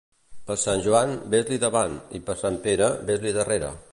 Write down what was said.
Per Sant Joan ves-li davant, i per Sant Pere ves-li darrere.